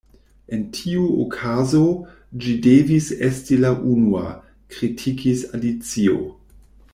"En tiu okazo, ĝi devis esti la unua," kritikis Alicio.